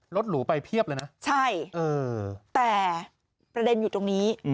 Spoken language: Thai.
หรูไปเพียบเลยนะใช่แต่ประเด็นอยู่ตรงนี้